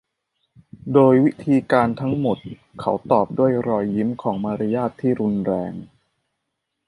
โดยวิธีการทั้งหมดเขาตอบด้วยรอยยิ้มของมารยาทที่รุนแรง